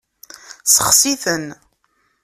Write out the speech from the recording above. Sexsi-ten.